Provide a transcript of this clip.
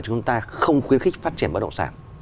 chúng ta không khuyến khích phát triển bất động sản